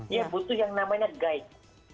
dia butuh yang namanya guide